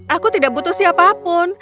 aku tidak butuh siapapun